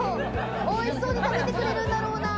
美味しそうに食べてくれるんだろうな。